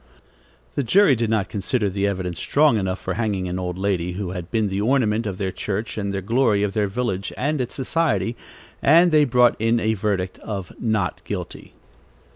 The jury did not consider the evidence strong enough for hanging an old lady, who had been the ornament of their church and the glory of their village and its society, and they brought in a verdict of "not guilty."